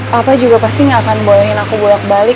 papa juga pasti gak akan bolehin aku bulat balik